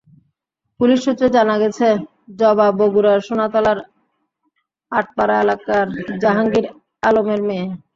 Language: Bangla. পুলিশ সূত্রে জানা গেছে, জবা বগুড়ার সোনাতলার আটপাড়া এলাকার জাহাঙ্গীর আলমের মেয়ে।